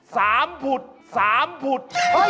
สามฝุตสามฝุต